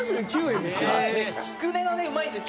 つくねがうまいんですよ